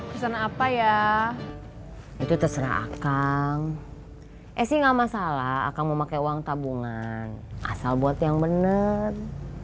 pesan apa ya itu terserah akan masalah akan memakai uang tabungan asal buat yang bener